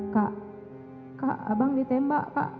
kak kak abang ditembak pak